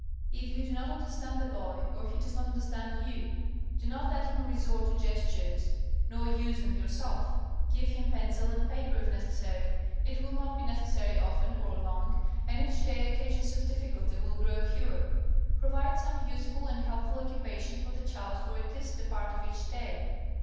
If you do not understand the boy, or he does not understand you, do not let him resort to gestures, nor use them yourself. Give him pencil and paper, if necessary. It will not be necessary often or long, and each day occasions of difficulty will grow fewer. Provide some useful and helpful occupation for the child for at least a part of each day.